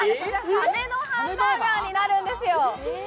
サメのハンバーガーになるんですよ。